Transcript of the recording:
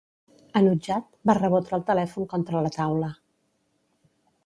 Enutjat, va rebotre el telèfon contra la taula.